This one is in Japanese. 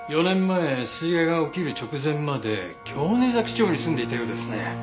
４年前水害が起きる直前まで京根崎町に住んでいたようですね。